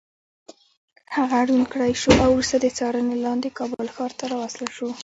هغه ړوند کړی شو او وروسته د څارنې لاندې کابل ښار ته راوستل شو.